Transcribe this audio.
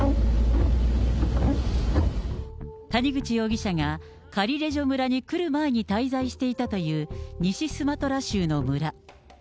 谷口容疑者が、カリレジョ村に来る前に滞在していたという西スマトラ州の村。